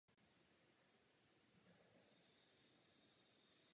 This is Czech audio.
Píseň se nachází na jeho šestém studiovém albu Planet Pit.